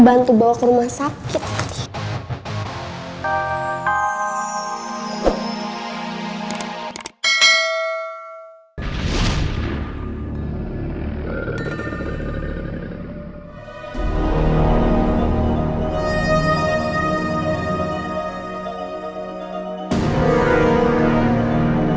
badan kamu ada yang sakit gak rasanya